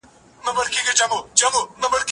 زه مخکي مځکي ته کتلې وې!؟